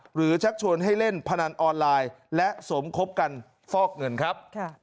ชักชวนให้เล่นพนันออนไลน์และสมคบกันฟอกเงินครับ